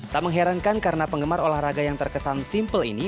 tak mengherankan karena penggemar olahraga yang terkesan simpel ini